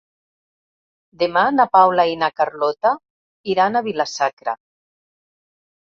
Demà na Paula i na Carlota iran a Vila-sacra.